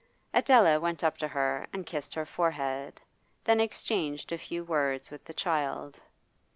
Adela went up to her and kissed her forehead, then exchanged a few words with the child.